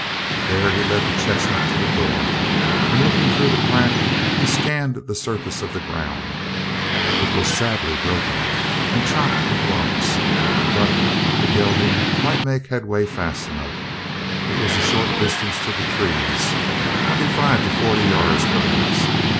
There he led the chestnut to the door, and, looking through the crack, he scanned the surface of the ground. It was sadly broken and chopped with rocks, but the gelding might make headway fast enough. It was a short distance to the trees twenty five to forty yards, perhaps.